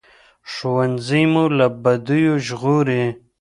ښوونځی مو له بدیو ژغوري